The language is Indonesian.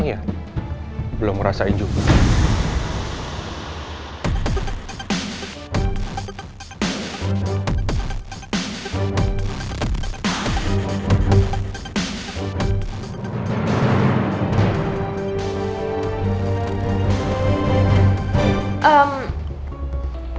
kalian juga gua bantu phrasing para keep won